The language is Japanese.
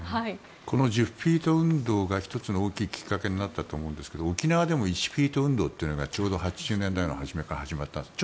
この１０フィート運動が１つの大きいきっかけになったと思うんですが沖縄でも１フィート運動というのがちょうど８０年代の初めから始まったんです。